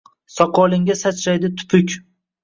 Soqolingga sachraydi tupuk